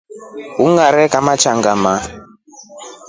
Ungare kamata ngama.